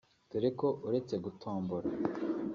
dore ko uretse gutombora